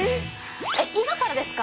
えっ今からですか！？